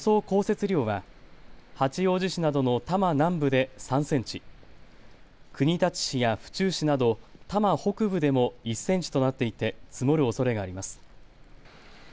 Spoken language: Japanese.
降雪量は八王子市などの多摩南部で３センチ、国立市や府中市など多摩北部でも１センチとなっていて積もるおそれがあります。